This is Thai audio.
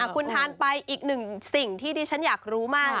คุณทานไปอีกหนึ่งสิ่งที่ที่ฉันอยากรู้มาก